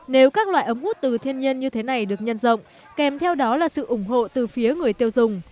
nếu các loại ống hút từ thiên nhiên như thế này được nhân rộng kèm theo đó là sự ủng hộ từ phía người tiêu dùng